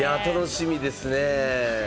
楽しみですね。